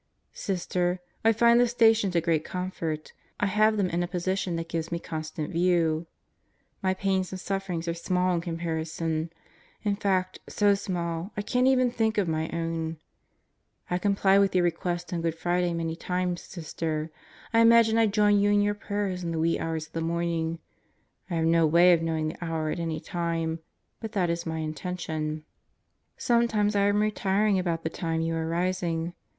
Sister, I find the Stations a great comfort. I have them in a position that gives me constant view. My pains and sufferings are small in comparison. In fact, so small, I can't even think of my own. I complied with your request on Good Friday many times, Sister. I imagine I join you in your prayers in the wee hours of the morning. I have no way of knowing the hour at any time, but that is my intention. Sometimes I am retiring about the time you are rising.